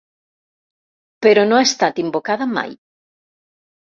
Però no ha estat invocada mai.